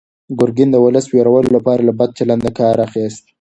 ګورګین د ولس د وېرولو لپاره له بد چلند څخه کار اخیست.